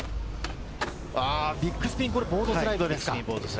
ビッグスピンボードスライドですか。